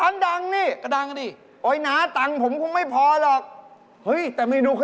ไม่ใช่น่าสนนี่น่าสิด